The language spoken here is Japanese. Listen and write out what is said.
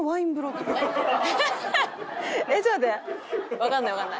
わかんないわかんない。